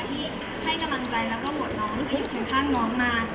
ที่ให้กำลังใจและหวดมองรูปผิดของทางมองมา